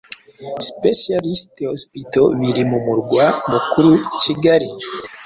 Specialist Hospital biri mu murwa mukuru Kigali,